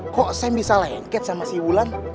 kok sam bisa lengket sama si wulan